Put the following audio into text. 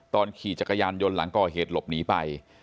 ขี่จักรยานยนต์หลังก่อเหตุหลบหนีไป